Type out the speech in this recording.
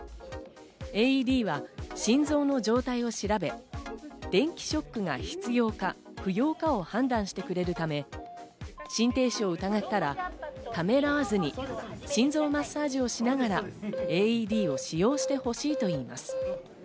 ＡＥＤは心臓の状態を調べ、電気ショックが必要か不要かを判断してくれるため、心停止を疑ったら、ためらわずに心臓マッサージをしながらＡＥＤを使用してほしいと言います。